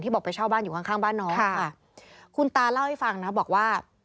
บอกไปเช่าบ้านอยู่ข้างข้างบ้านน้องค่ะคุณตาเล่าให้ฟังนะบอกว่า